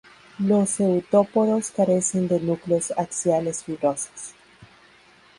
Lo seudópodos carecen de núcleos axiales fibrosos.